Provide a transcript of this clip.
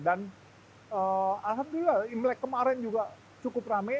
dan alhamdulillah imlek kemarin juga cukup rame